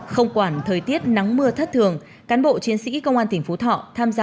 không quản thời tiết nắng mưa thất thường cán bộ chiến sĩ công an tỉnh phú thọ tham gia